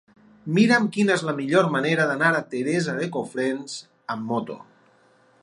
Mira'm quina és la millor manera d'anar a Teresa de Cofrents amb moto.